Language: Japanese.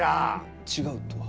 違うとは？